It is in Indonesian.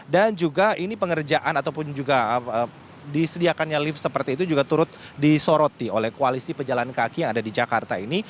dan juga ini pengerjaan ataupun juga disediakannya lift seperti itu juga turut disoroti oleh koalisi pejalan kaki yang ada di jakarta ini